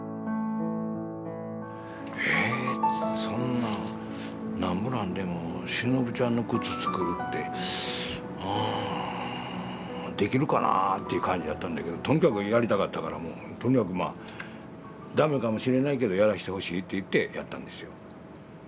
そんなんなんぼなんでもしのぶちゃんの靴作るってあできるかなっていう感じやったんだけどとにかくやりたかったからもうとにかくまあ駄目かもしれないけどやらしてほしいって言ってやったんですよ。